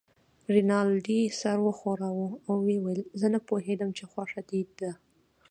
رینالډي سر و ښوراوه او ویې ویل: زه نه پوهېدم چې خوښه دې ده.